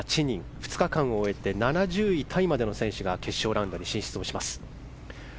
２日間を終えて７０位タイまでの選手が決勝ラウンドに進出します。